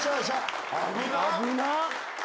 危なっ。